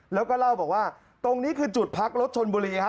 แล้วก็เล่าบอกว่าตรงนี้คือจุดพักรถชนบุรีฮะ